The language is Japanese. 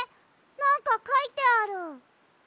なんかかいてある。